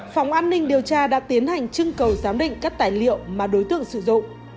phòng an ninh điều tra đã tiến hành trưng cầu giám định các tài liệu mà đối tượng sử dụng